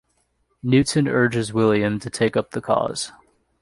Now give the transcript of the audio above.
Newton urges William to take up the cause.